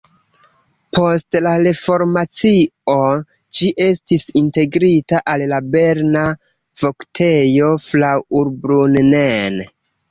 Post la reformacio ĝi estis integrita al la berna Voktejo Fraubrunnen.